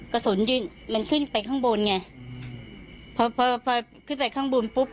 กระสุนยื่นมันขึ้นไปข้างบนไงพอพอพอขึ้นไปข้างบนปุ๊บ